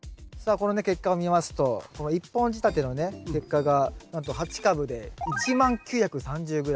このね結果を見ますと１本仕立てのね結果がなんと８株で１万９３０ｇ。